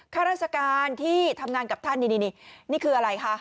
ข้าราชการที่ทำงานกับท่านนี่นี่คืออะไรคะ